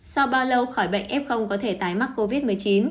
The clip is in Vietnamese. sau bao lâu khỏi bệnh f có thể tái mắc covid một mươi chín